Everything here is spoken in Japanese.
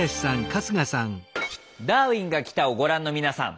「ダーウィンが来た！」をご覧の皆さん。